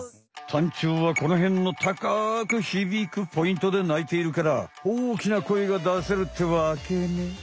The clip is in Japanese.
タンチョウはこのへんの高く響くポイントでないているから大きな声が出せるってわけね！